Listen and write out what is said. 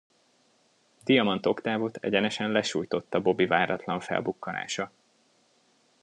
Diamant Oktávot egyenesen lesújtotta Bobby váratlan felbukkanása.